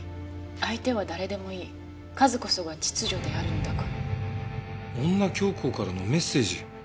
「相手は誰でもいい数こそが秩序であるのだから」女教皇からのメッセージ。